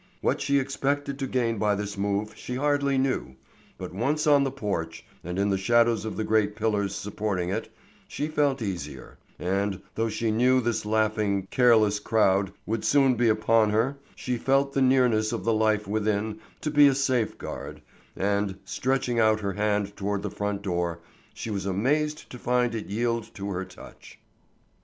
What she expected to gain by this move she hardly knew; but once on the porch, and in the shadows of the great pillars supporting it, she felt easier; and, though she knew this laughing, careless crowd would soon be upon her, she felt the nearness of the life within to be a safeguard, and, stretching out her hand toward the front door, she was amazed to find it yield to her touch.